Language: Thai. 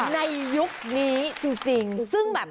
ในยุคนี้จริงซึ่งแบบ